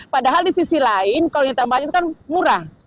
padahal di sisi lain kalau ditambahin kan murah